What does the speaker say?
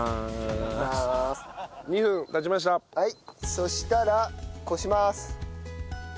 そしたらこします。